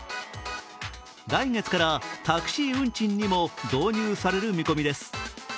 来月からタクシー運賃にも導入される見込みです。